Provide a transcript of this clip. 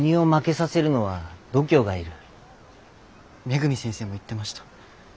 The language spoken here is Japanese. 恵先生も言ってました。